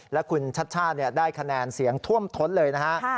และคุณชัชชาติได้คะแนนเสียงท่วมท้นเลยนะฮะ